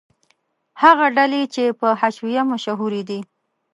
هغه ډلې چې په حشویه مشهورې دي.